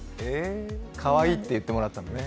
かわいいって言ってもらったのね。